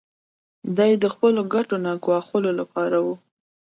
دا یې د خپلو ګټو نه ګواښلو لپاره و.